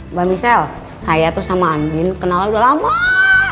mbak michelle saya tuh sama andien kenal udah lama banget